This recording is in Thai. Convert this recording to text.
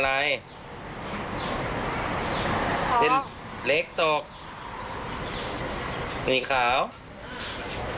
เอาเต็มอะไรครับ